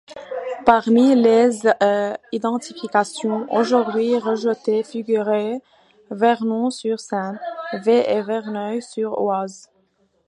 Parmi les identifications aujourd'hui rejetées figuraient Vernon-sur-Seine, Vez et Verneuil-sur-Oise.